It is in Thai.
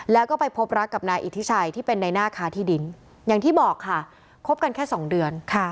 แล้วก็ไปพบรักกับนายอิทธิชัยที่เป็นในหน้าค้าที่ดินอย่างที่บอกค่ะคบกันแค่สองเดือน